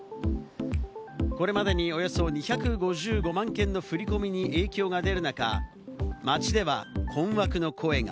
これまでにおよそ２５５万件の振り込みに影響が出る中、街では困惑の声が。